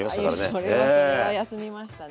あいやそれはそれは休みましたね。